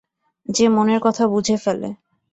যে মনের কথা বুঝে ফেলে।